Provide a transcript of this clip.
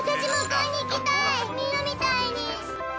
みんなみたいに。